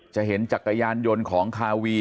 จะเห็นจักรยานยนต์ของคาวี